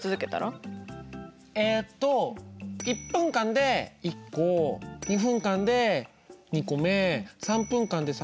えっと１分間で１個２分間で２個目３分間で３。